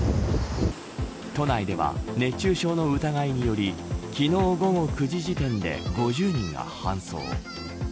都内では熱中症の疑いにより昨日、午後９時時点で５０人が搬送。